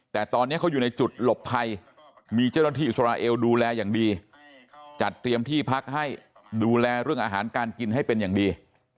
แต่ตอนนี้เขาอยู่ในจุดหลบภัยมีเจ้าหน้าที่อิสราเอลดูแลอย่างดีจัดเตรียมที่พักให้ดูแลเรื่องอาหารการกินให้เป็นอย่างดี